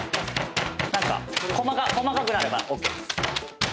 細かくなればＯＫです。